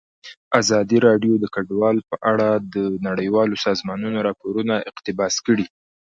ازادي راډیو د کډوال په اړه د نړیوالو سازمانونو راپورونه اقتباس کړي.